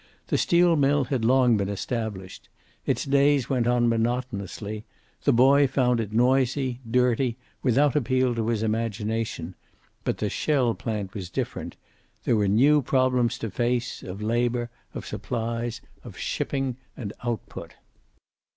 The steel mill had been long established. Its days went on monotonously. The boy found it noisy, dirty, without appeal to his imagination. But the shell plant was different. There were new problems to face, of labor, of supplies, of shipping and output.